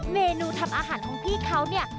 เมนูทำอาหารของพี่เขาเนี่ย